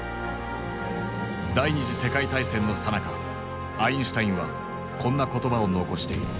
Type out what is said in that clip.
第二次世界大戦のさなかアインシュタインはこんな言葉を残している。